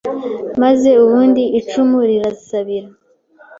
maze ubundi icumu rirasabira.